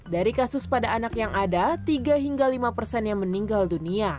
dari kasus pada anak yang ada tiga hingga lima persen yang meninggal dunia